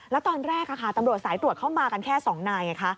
แล้วตอนแรกตำรวจสายตรวจเข้ามากันแค่๒นายไงคะ